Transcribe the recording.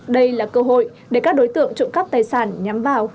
đây là cơ hội để các đối tượng trộm cắp tài sản nhắm vào